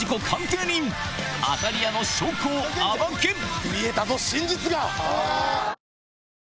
さらに見えたぞ真実が！